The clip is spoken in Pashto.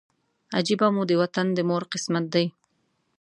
عجیبه مو د وطن د مور قسمت دی